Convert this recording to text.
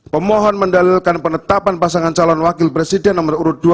pemohon mendalilkan penetapan pasangan calon wakil presiden nomor urut dua